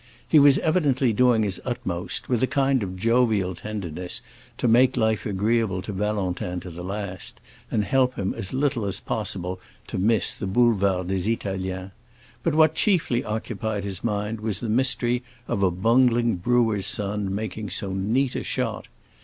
He was evidently doing his utmost, with a kind of jovial tenderness, to make life agreeable to Valentin to the last, and help him as little as possible to miss the Boulevard des Italiens; but what chiefly occupied his mind was the mystery of a bungling brewer's son making so neat a shot.